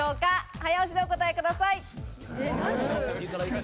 早押しでお答えください。